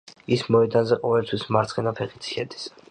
ის მოედანზე ყოველთვის მარცხენა ფეხით შედის.